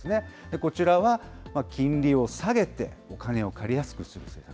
こちらは、金利を下げてお金を借りやすくする政策。